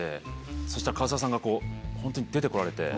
そしたら唐沢さんがこう本当に出てこられて。